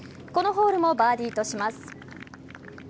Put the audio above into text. このホールもバーディーとします。